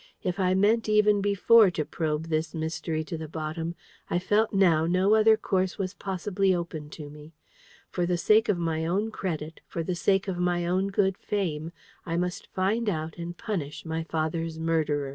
If I meant even before to probe this mystery to the bottom, I felt now no other course was possibly open to me. For the sake of my own credit, for the sake of my own good fame, I must find out and punish my father's murderer.